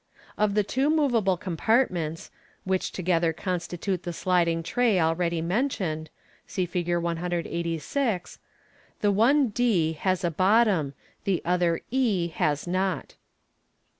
Of the two moveable compartments, which together constitute the sliding tray already mentioned (see Fig. 186), the one d has a bottom, the other e has not.